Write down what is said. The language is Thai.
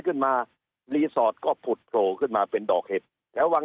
ขึ้นมารีสอร์ทก็ผุดโผล่ขึ้นมาเป็นดอกเห็ดแถววัง